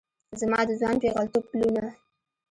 زما د ځوان پیغلتوب پلونه